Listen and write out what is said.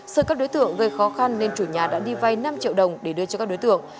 sợi các đối tượng gây khó khăn nên chủ nhà đã đi vay năm triệu đồng để đưa cho các đối tượng